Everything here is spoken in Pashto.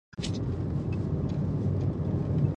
د کابل غزني لویه لاره د همدې ولسوالۍ په سینه تیره ده